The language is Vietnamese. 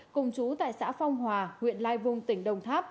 cùng chú tại xã phong hòa huyện lai vung tỉnh đồng tháp